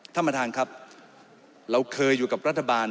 ถ้ามาทางครับเราเคยอยู่กับรัฐบาล